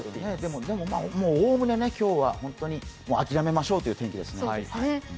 でもおおむね今日は本当に諦めましょうという天気ですね。